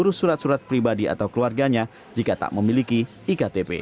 mengurus surat surat pribadi atau keluarganya jika tak memiliki iktp